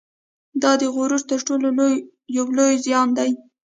دا د غرور تر ټولو یو لوی زیان دی